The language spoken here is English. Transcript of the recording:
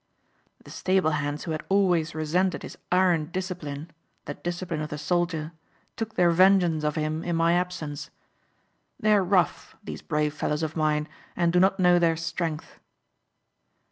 "The stable hands who had always resented his iron discipline, the discipline of the soldier, took their vengeance of him in my absence. They are rough, these brave fellows of mine, and do not know their strength."